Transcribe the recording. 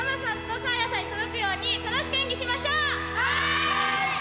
はい！